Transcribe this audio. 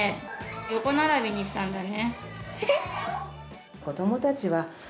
横並びにしたんだね。